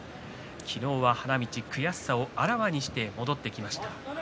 昨日は花道、悔しさをあらわにして戻ってきました。